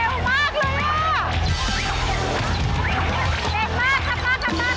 ไม่ทำให้ทันหลักไม่ทำให้ทันหลักมีเวลาคุณหนึ่ง